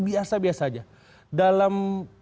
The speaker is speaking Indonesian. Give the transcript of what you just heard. biasa biasa aja dalam